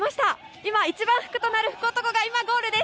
今、一番福となる男性が今、ゴールです。